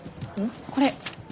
これ。